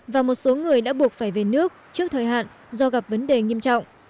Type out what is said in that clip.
và một số người đã buộc phải về nước trước thời hạn do gặp vấn đề nghiêm trọng